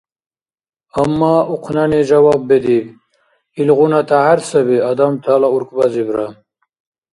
Амма ухънани жаваб бедиб: — Илгъуна тяхӀяр саби адамтала уркӀбазибра.